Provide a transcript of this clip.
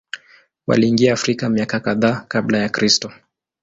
Waliingia Afrika miaka kadhaa Kabla ya Kristo.